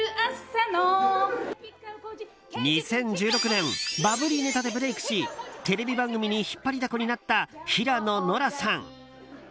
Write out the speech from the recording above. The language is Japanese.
２０１６年バブリーネタでブレークしテレビ番組に引っ張りだこになった平野ノラさん。